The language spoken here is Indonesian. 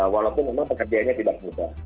walaupun memang pekerjaannya tidak mudah